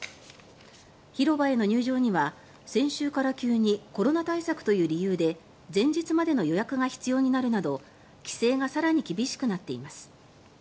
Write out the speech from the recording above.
広場への入場には先週から急にコロナ対策という理由で前日までの予約が必要となるなど規制が更に厳しくなっています。